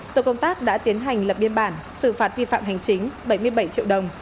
tổ công tác đã tiến hành lập biên bản xử phạt vi phạm hành chính bảy mươi bảy triệu đồng